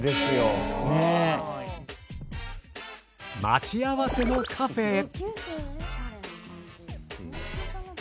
待ち合わせのカフェへ。